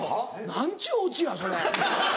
何ちゅうオチやそれ。